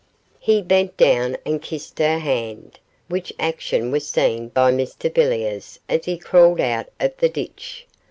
He bent down and kissed her hand, which action was seen by Mr Villiers as he crawled out of the ditch.